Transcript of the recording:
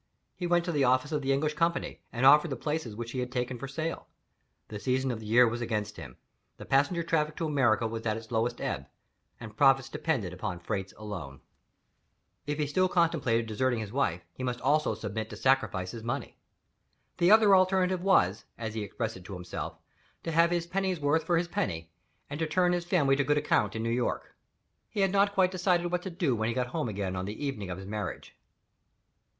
He went to the office of the English company, and offered the places which he had taken for sale. The season of the year was against him; the passenger traffic to America was at its lowest ebb, and profits depended upon freights alone. If he still contemplated deserting his wife, he must also submit to sacrifice his money. The other alternative was (as he expressed it himself) to "have his pennyworth for his penny, and to turn his family to good account in New York." He had not quite decided what to do when he got home again on the evening of his marriage.